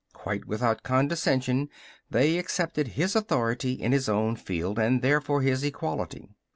Quite without condescension they accepted his authority in his own field, and therefore his equality.